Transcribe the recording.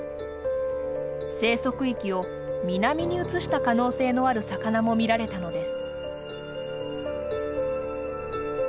生息域を南に移した可能性のある魚も見られたのです。